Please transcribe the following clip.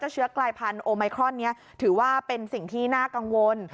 เชื้อกลายพันธุ์โอไมครอนนี้ถือว่าเป็นสิ่งที่น่ากังวล